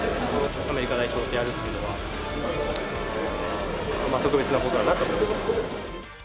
アメリカ代表とやるっていうのは、特別なことだなと思っています。